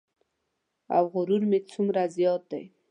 او غرور مې څومره زیات دی.